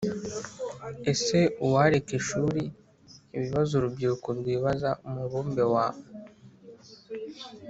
Ese uwareka ishuri Ibibazo urubyiruko rwibaza Umubumbe wa